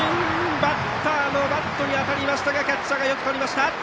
バッターのバットに当たりましたがキャッチャーがよくとりました！